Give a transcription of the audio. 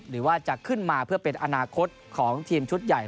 หรือว่าจะขึ้นมาเพื่อเป็นอนาคตของทีมชุดใหญ่